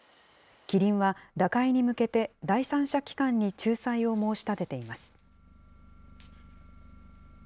キリンは打開に向けて、第三者機関に仲裁を申し立てています。